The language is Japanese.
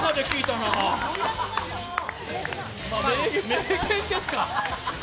名言ですか？